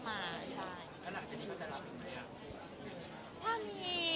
หลังจากนี้เขาจะรับหรือไม่ครับ